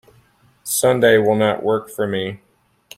Sunday will not work for me.